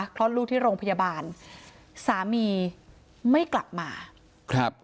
คลอดลูกที่โรงพยาบาลสามีไม่กลับมาครับ